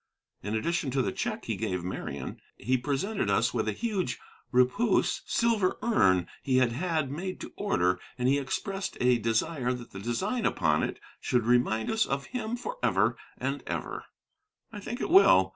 In addition to the check he gave Marian, he presented us with a huge, 'repousse' silver urn he had had made to order, and he expressed a desire that the design upon it should remind us of him forever and ever. I think it will.